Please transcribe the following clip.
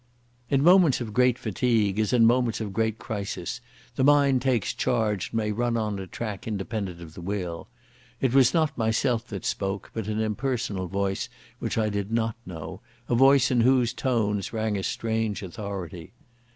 In moments of great fatigue, as in moments of great crisis, the mind takes charge and may run on a track independent of the will. It was not myself that spoke, but an impersonal voice which I did not know, a voice in whose tones rang a strange authority.